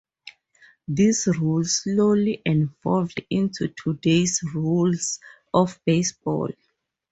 These rules slowly evolved into today's rules of baseball.